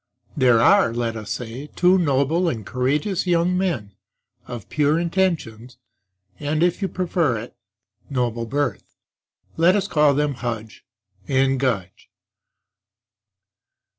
There are, let us say, two noble and courageous young men, of pure intentions and (if you prefer it) noble birth; let us call them Hudge and Gudge.